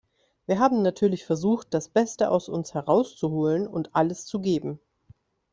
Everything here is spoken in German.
Wir haben natürlich versucht, das Beste aus uns herauszuholen und alles zu geben.